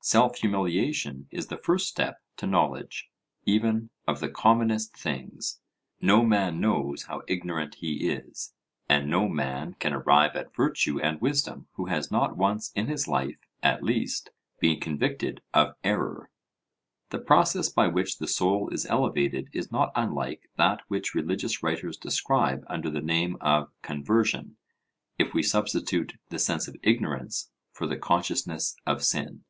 Self humiliation is the first step to knowledge, even of the commonest things. No man knows how ignorant he is, and no man can arrive at virtue and wisdom who has not once in his life, at least, been convicted of error. The process by which the soul is elevated is not unlike that which religious writers describe under the name of 'conversion,' if we substitute the sense of ignorance for the consciousness of sin.